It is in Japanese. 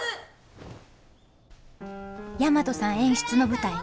大和さん演出の舞台